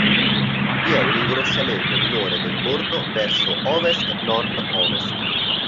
Vi è un ingrossamento minore del bordo verso ovest-nord-ovest.